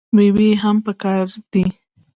میوې هم پکار دي.